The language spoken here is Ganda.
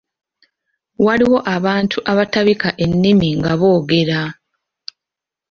Waliwo abantu abatabika ennimi nga boogera.